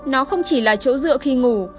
nó không chỉ là chỗ dựa khi ngủ